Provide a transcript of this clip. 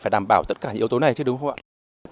đảm bảo tất cả yếu tố này chứ đúng không ạ